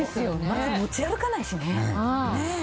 まず持ち歩かないしね。